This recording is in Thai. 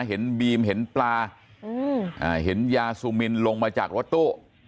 เห็นบีมเห็นปลาเห็นยาซูมินลงมาจากรถตู้